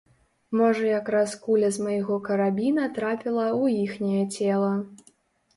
Можа якраз куля з майго карабіна трапіла ў іхняе цела.